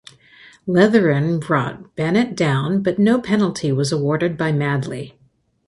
Letheren brought Bennett down but no penalty was awarded by Madley.